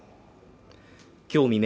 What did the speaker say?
今日未明